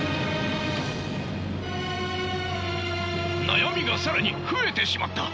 悩みが更に増えてしまった！